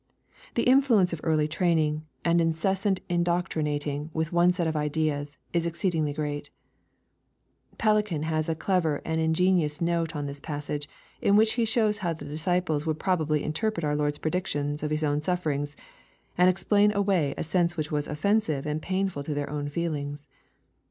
The influence of early training, and incessant indoctrinating with one set of ideas, is exceedingly great Pellican has a clever and ingenious note on this passage, in which he shows how the disciples would probably interpret our Lord's predictions of His own sufferings, and explain away a sense which was offensive and painful to their own feelings.